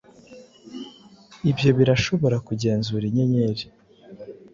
Ibyo birashobora kugenzura. Inyenyeri